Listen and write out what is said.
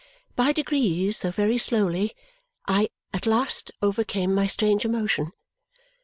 By degrees, though very slowly, I at last overcame my strange emotion.